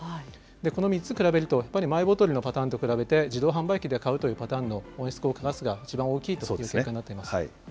この３つ比べると、やっぱりマイボトルのパターンと比べて、自動販売機で買うというパターンの温室効果ガスが一番大きいという結果になっています。